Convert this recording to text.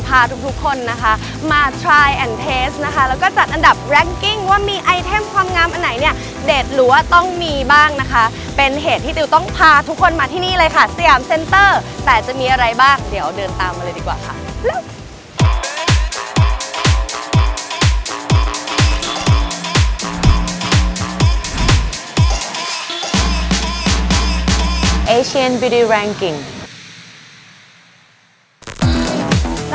พาทุกคนนะคะมานะคะแล้วก็จัดอันดับว่ามีไอเทมความงามอันไหนเนี่ยเดทหรือว่าต้องมีบ้างนะคะเป็นเหตุที่ติวต้องพาทุกคนมาที่นี่เลยค่ะแต่จะมีอะไรบ้างเดี๋ยวเดินตามมาเลยดีกว่าค่ะเร็ว